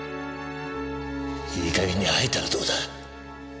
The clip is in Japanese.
いい加減に吐いたらどうだ？